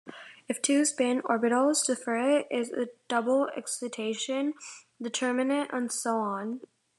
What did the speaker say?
If two spin orbitals differ it is a double excitation determinant and so on.